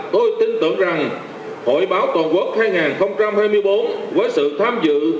tôi tin tưởng rằng hội báo toàn quốc hai nghìn hai mươi bốn với sự tham dự